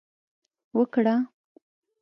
وکړه